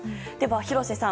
廣瀬さん